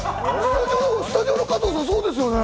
スタジオの加藤さん、そうですよね？